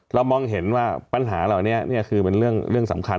มองเห็นว่าปัญหาเหล่านี้คือเป็นเรื่องสำคัญ